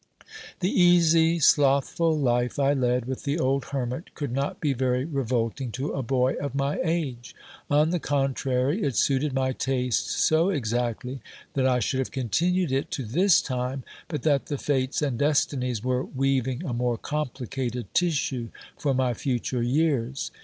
The easy, slothful life I led with the old hermit could not be very revolting to a boy of my age. On the contrary, it suited my taste so exactly, that I should have continued it to this time, but that the fates and destinies were weaving a more complicated tissue for my future years.